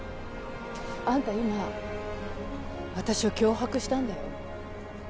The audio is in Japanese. あんた今私を脅迫したんだよ。